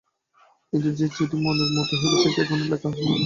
কিন্তু যে চিঠি মনের মতো হইবে সে চিঠি এখনি লেখা সম্ভব হইবে না।